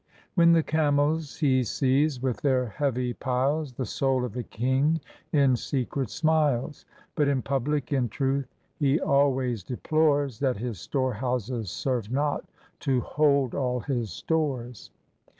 When the camels he sees with their heavy piles. The soul of the king in secret smiles ; But in public in truth he always deplores That his storehouses serve not to hold all his stores.